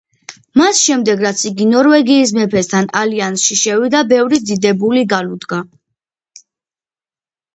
მას შემდეგ, რაც იგი ნორვეგიის მეფესთან ალიანსში შევიდა, ბევრი დიდებული განუდგა.